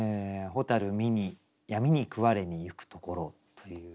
「蛍見に闇に食われにゆくところ」という。